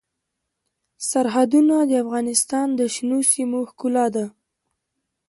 سرحدونه د افغانستان د شنو سیمو ښکلا ده.